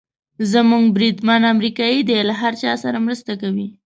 زموږ بریدمن امریکایي دی، له هر چا سره مرسته کوي.